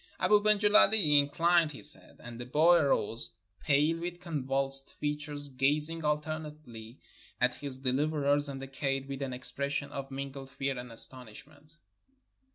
Abou ben Gileli inchned his head, and the boy arose, pale, with convulsed features, gazing alternately at his deHverers and the kaid with an expres sion of mingled fear and astonishment.